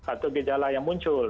atau gejala yang muncul